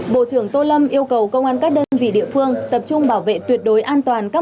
bộ trưởng tô lâm yêu cầu công an các đơn vị địa phương tập trung bảo vệ tuyệt đối an toàn các